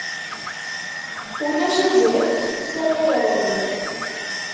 Ulac azref s ara yerwel.